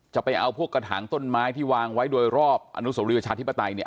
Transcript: จะเอาพวกกระถางต้นไม้ที่วางไว้โดยรอบอนุสวรีประชาธิปไตยเนี่ย